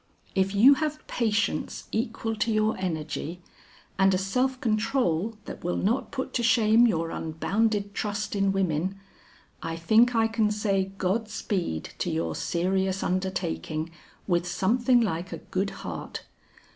If you have patience equal to your energy, and a self control that will not put to shame your unbounded trust in women, I think I can say God speed to your serious undertaking, with something like a good heart.